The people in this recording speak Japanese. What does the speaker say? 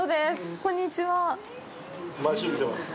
こんにちは。